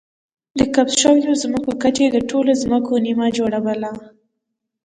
د ضبط شویو ځمکو کچې د ټولو ځمکو نییمه جوړوله